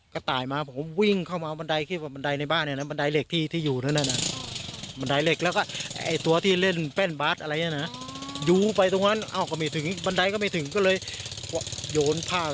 กะตายมาเขาวิ่งเข้ามานี่บ้านบันไดเบือน